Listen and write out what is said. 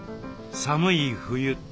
寒い冬。